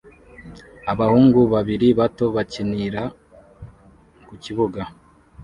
Abahungu babiri bato bakinira ku kibuga